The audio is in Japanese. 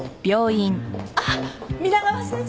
あっ皆川先生！